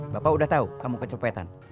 bapak udah tahu kamu kecopetan